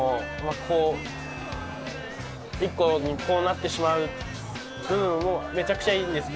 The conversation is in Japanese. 一個のことにこうなってしまう部分もめちゃくちゃいいんですけど。